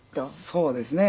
そうですね。